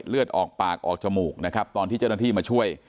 เลือดออกปากออกจมูกนะครับตอนที่เจ้าหน้าที่มาช่วย